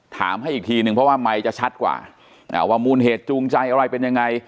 ถามให้อีกทีนึงเพราะว่าไมค์จะชัดกว่าว่ามูลเหตุจูงใจอะไรเป็นยังไง